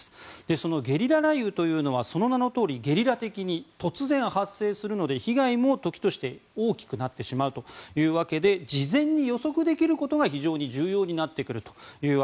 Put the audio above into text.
そのゲリラ雷雨というのはその名のとおりゲリラ的に突然、発生するので被害も、時として大きくなってしまうというわけで事前に予測できることが非常に重要になると。